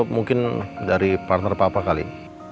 mungkin dari partner papa kali